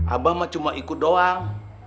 abah mah cuma ikut doang